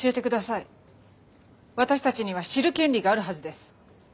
私たちには知る権利があるはずです。